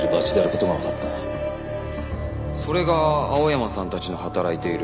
それが青山さんたちの働いている介護施設。